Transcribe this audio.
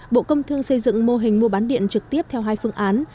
bộ công thương xây dựng mô hình mua bán điện trực tiếp theo hai phương án